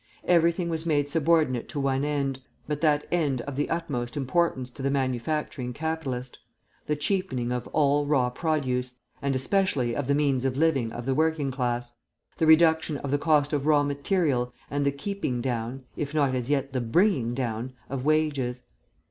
Everything was made subordinate to one end, but that end of the utmost importance to the manufacturing capitalist: the cheapening of all raw produce, and especially of the means of living of the working class; the reduction of the cost of raw material, and the keeping down if not as yet the bringing down of wages.